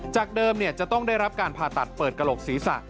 จากเดิมจะต้องได้รับการผ่าตัดเปิดกระโหลกศีรษะ